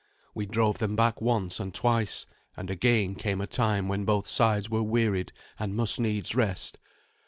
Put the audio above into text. We drove them back once and twice; and again came a time when both sides were wearied and must needs rest.